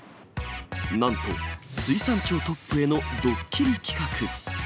なんと、水産庁トップへのドッキリ企画。